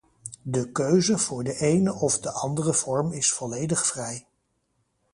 De keuze voor de ene of de andere vorm is volledig vrij.